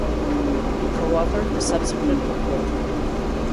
He co-authored the subsequent report.